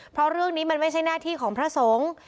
เพราะเรื่องนี้มันไม่ใช่หน้าที่ของพระสงฆ์